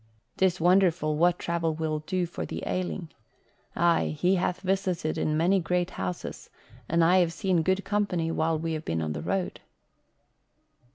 'Tis wonderful what travel will do for the ailing. Aye, he hath visited in many great houses and I have seen good company while we have been on the road."